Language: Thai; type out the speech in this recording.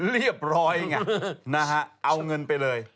เรียบร้อยไงนะฮะเอาเงินไปเลย